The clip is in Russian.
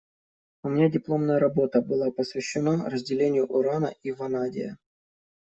У меня дипломная работа, была посвящена разделению урана и ванадия.